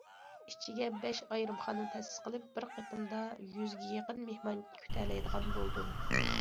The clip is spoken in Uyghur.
ئىچىگە بەش ئايرىمخانا تەسىس قىلىپ، بىر قېتىمدا يۈزگە يېقىن مېھمان كۈتەلەيدىغان بولدۇم.